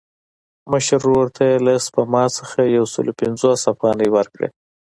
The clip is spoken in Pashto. مشر ورور ته یې له سپما څخه یو سل پنځوس افغانۍ ورکړې.